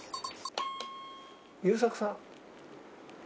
優作さん。